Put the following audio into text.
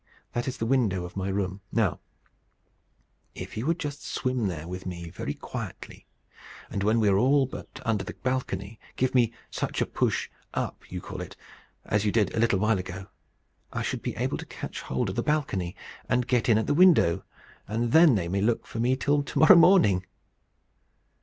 That is the window of my room. Now if you would just swim there with me very quietly, and when we are all but under the balcony, give me such a push up you call it as you did a little while ago, I should be able to catch hold of the balcony, and get in at the window; and then they may look for me till to morrow morning!"